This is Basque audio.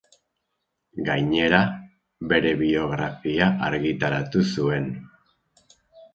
Gainera, bere biografia argitaratu zuen.